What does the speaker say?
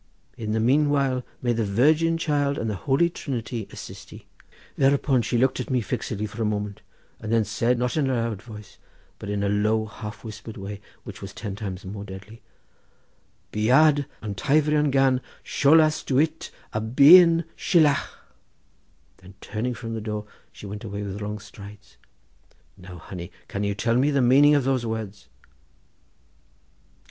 In the meanwhile may the Virgin, Child, and the Holy Trinity assist ye!' Thereupon she looked at me fixedly for a moment, and then said, not in a loud voice, but in a low, half whispered way, which was ten times more deadly— "'Biaidh an taifrionn gan sholas duit a bhean shalach!' Then turning from the door she went away with long strides. Now, honey, can ye tell me the meaning of those words?"